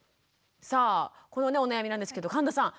さあこのお悩みなんですけど神田さん